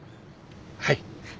はい。